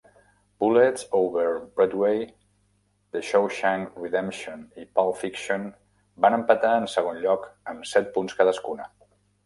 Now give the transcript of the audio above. "Bullets over Broadway", "The Shawshank Redemption" i "Pulp Fiction" van empatar en segon lloc amb set punts cadascuna.